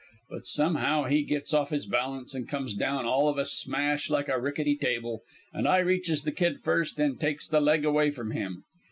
But somehow he gets off his balance and comes down all of a smash like a rickety table, an' I reaches the kid first an' takes the leg away from him.